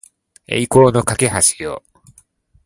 栄光の架橋を